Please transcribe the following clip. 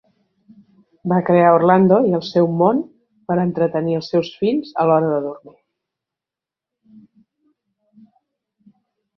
Va crear Orlando i el seu món per entretenir els seus fills a l'hora de dormir.